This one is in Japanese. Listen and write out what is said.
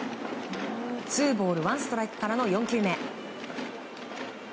ツーボールワンストライクからの４球目。